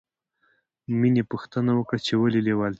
مینې پوښتنه وکړه چې ولې لېوالتیا لرې